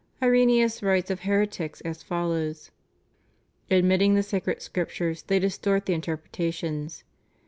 Irenaeus writes of heretics as follows: "Admitting the Sacred Scriptures they distort the interpretations."